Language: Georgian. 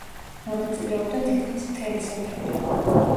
მონაწილეობდა თითქმის მთელი სოფელი.